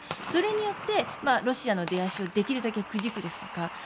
それによって、ロシアの出足をできるだけくじくですとか